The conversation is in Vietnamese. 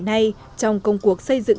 dân chủ công bằng văn minh